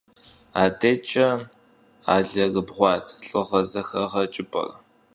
Adeç'e alerıbğurat lh'ığe zexeğeç'ıp'er.